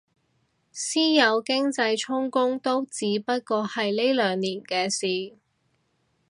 私有經濟充公都只不過係呢兩年嘅事